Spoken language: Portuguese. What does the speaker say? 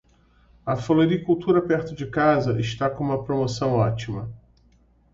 A floricultura perto de casa está com uma promoção ótima.